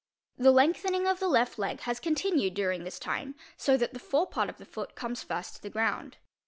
'The lengthening of the left leg has 'continued during this time, so that the forepart of the foot comes first to the ground.